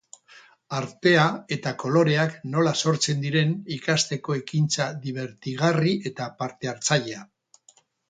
Artea eta koloreak nola sortzen diren ikasteko ekintza dibertigarri eta partehartzailea.